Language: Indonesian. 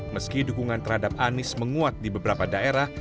meski dukungan terhadap anies menguat di beberapa daerah